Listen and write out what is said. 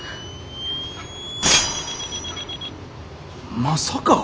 まさか。